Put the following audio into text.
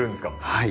はい。